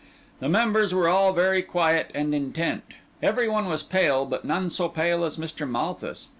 The members were all very quiet and intent; every one was pale, but none so pale as Mr. Malthus.